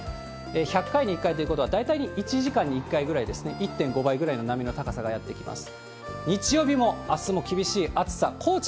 １００回に１回ということは、大体１時間に１回ぐらいですね、１．５倍ぐらいの波の高さがやって来ます。